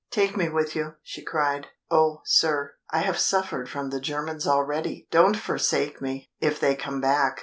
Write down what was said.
"Take me with you," she cried. "Oh, sir, I have suffered from the Germans already! Don't forsake me, if they come back!"